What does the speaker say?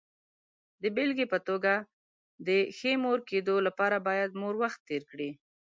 د بېلګې په توګه، د ښې مور کېدو لپاره باید مور وخت تېر کړي.